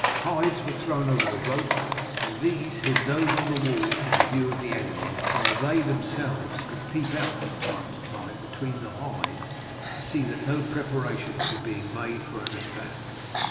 Hides were thrown over the ropes, and these hid those on the wall from the view of the enemy, while they themselves could peep out from time to time between the hides to see that no preparations were being made for an attack.